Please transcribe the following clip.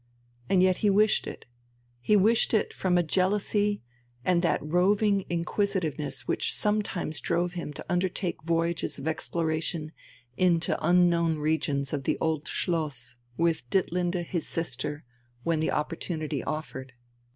And yet he wished it, he wished it from a jealousy and that roving inquisitiveness which sometimes drove him to undertake voyages of exploration into unknown regions of the old Schloss, with Ditlinde his sister, when the opportunity offered.